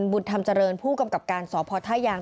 บุญธรรมเจริญผู้กำกับการสพท่ายาง